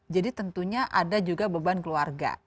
jadi tentunya ada juga beban keluarga